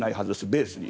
ベースに。